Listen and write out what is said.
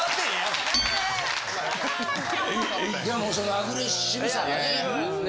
いやもうそのアグレッシブさね。